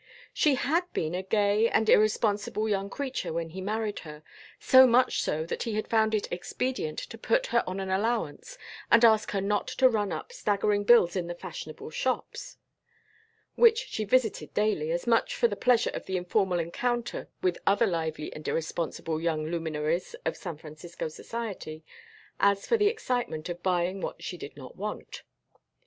She had been a gay and irresponsible young creature when he married her, so much so that he had found it expedient to put her on an allowance and ask her not to ran up staggering bills in the fashionable shops; which she visited daily, as much for the pleasure of the informal encounter with other lively and irresponsible young luminaries of San Francisco society as for the excitement of buying what she did not want.